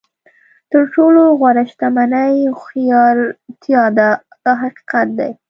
تر ټولو غوره شتمني هوښیارتیا ده دا حقیقت دی.